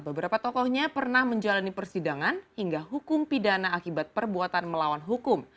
beberapa tokohnya pernah menjalani persidangan hingga hukum pidana akibat perbuatan melawan hukum